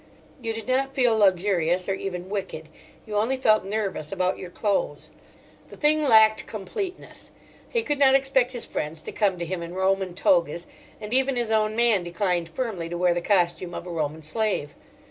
You did not feel luxurious or even wicked: you only felt nervous about your clothes. The thing lacked completeness. He could not expect his friends to come to him in Roman togas, and even his own man declined firmly to wear the costume of a Roman slave.